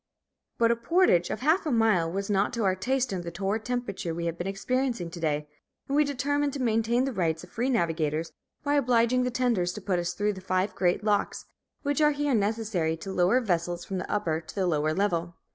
But a portage of half a mile was not to our taste in the torrid temperature we have been experiencing to day, and we determined to maintain the rights of free navigators by obliging the tenders to put us through the five great locks, which are here necessary to lower vessels from the upper to the lower level.